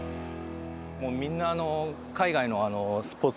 もうみんな。